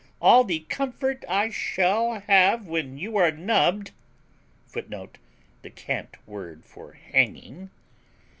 All the comfort I shall have when you are NUBBED [Footnote: The cant word for hanging.